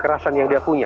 kerasan yang dia punya